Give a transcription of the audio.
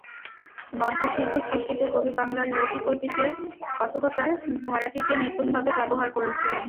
গদ্যশিল্প সৃষ্টিতে কবি বাংলার লৌকিক ঐতিহ্যের কথকতার ধারাটিকে নিপুণভাবে ব্যবহার করেছিলেন।